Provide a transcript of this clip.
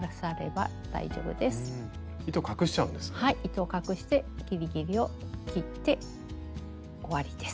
糸を隠してギリギリを切って終わりです。